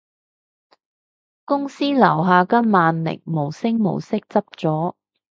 公司樓下間萬寧無聲無息執咗